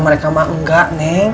mereka mah enggak